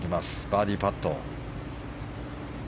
バーディーパット。